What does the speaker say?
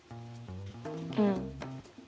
うん。